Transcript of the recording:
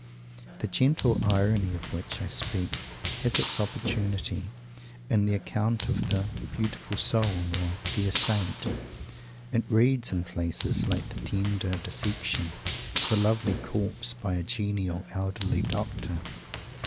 The "gentle irony" of which I speak has its opportunity in the account of the "Beautiful Soul" or "Fair Saint." It reads, in places, like the tender dissection of a lovely corpse by a genial, elderly Doctor.